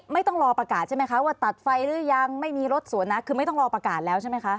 ไม่ต้องรอประกาศใช่ไหมคะว่าตัดไฟหรือยังไม่มีรถสวนนะคือไม่ต้องรอประกาศแล้วใช่ไหมคะ